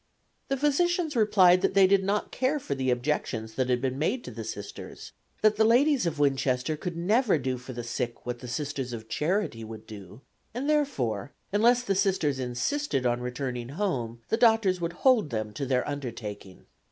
The physicians replied that they did not care for the objections that had been made to the Sisters; that the ladies of Winchester could never do for the sick what the Sisters of Charity would do, and therefore unless the Sisters insisted on returning home the doctors would hold them to their undertaking.